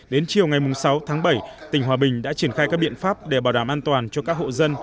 đến chiều ngày sáu tháng bảy tỉnh hòa bình đã triển khai các biện pháp để bảo đảm an toàn cho các hộ dân